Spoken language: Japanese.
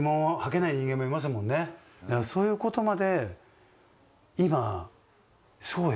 そういうことまで。